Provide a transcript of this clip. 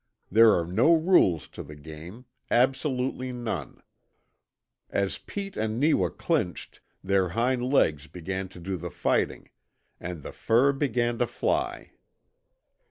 There are no rules to the game absolutely none. As Pete and Neewa clinched, their hind legs began to do the fighting, and the fur began to fly.